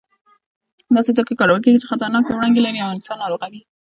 داسې توکي کارول کېږي چې خطرناکې وړانګې لري او انسان ناروغوي.